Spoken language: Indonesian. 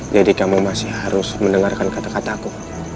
jadi kamu masih harus mendengarkan kata kataku